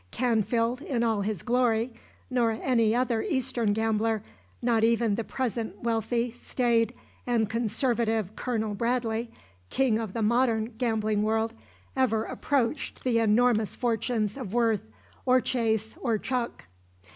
Canfield, in all his glory, nor any other Eastern gambler, not even the present wealthy, staid, and conservative Col. Bradley, king of the modern gambling world, ever approached the enormous fortunes of Worth, or Chase or Chuck.